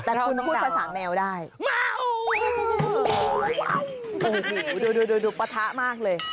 แต่คุณพูดภาษาแมวได้โอ้โหดูดูปะทะมากเลย